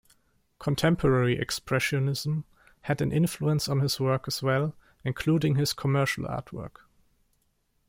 Contemporary expressionism had an influence on his work as well, including his commercial artwork.